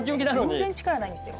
全然力ないんですよ。